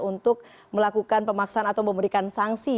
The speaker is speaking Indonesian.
untuk melakukan pemaksaan atau memberikan sanksi